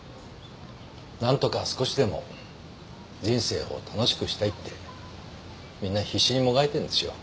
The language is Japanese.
何とか少しでも人生を楽しくしたいってみんな必死にもがいてんですよ。